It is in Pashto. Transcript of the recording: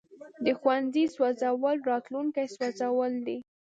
د ښوونځي سوځول راتلونکی سوځول دي.